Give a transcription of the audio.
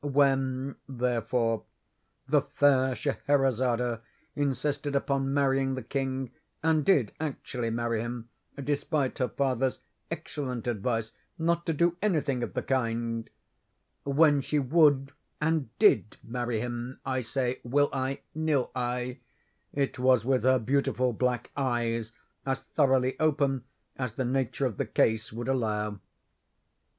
When, therefore, the fair Scheherazade insisted upon marrying the king, and did actually marry him despite her father's excellent advice not to do any thing of the kind—when she would and did marry him, I say, will I, nill I, it was with her beautiful black eyes as thoroughly open as the nature of the case would allow.